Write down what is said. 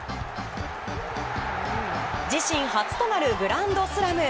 自身初となるグランドスラム。